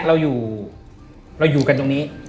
เราอยู่กันตรงนี้